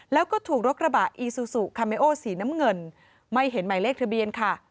แล้วก็ถูกรถกระบะอีซูซูคาเมโอสีน้ำเงินไม่เห็นหมายเลขทะเบียนค่ะ